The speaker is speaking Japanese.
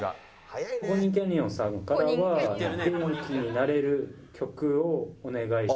ポニンキャニオンさんからは元気になれる曲をお願いしたい。